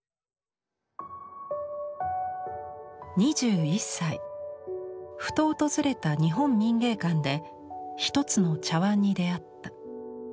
２１歳ふと訪れた日本民藝館で一つの茶碗に出会った。